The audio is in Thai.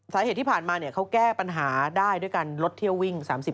สาเหตุที่ผ่านมาเขาแก้ปัญหาได้ด้วยการลดเที่ยววิ่ง๓๐